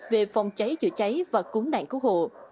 về phòng cháy chữa cháy và cứu nạn cứu hộ